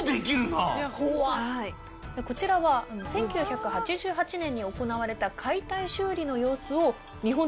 こちらは１９８８年に行われた解体修理の様子を。